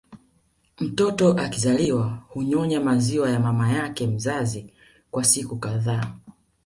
Mtoto akizaliwa hunyonya maziwa ya mama yake mzazi kwa siku kadhaa